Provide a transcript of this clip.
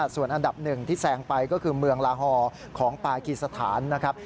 ส่วนอันดับหนึ่งที่แซงไปก็คือเมืองลาฮอลของปากีสถานนะครับ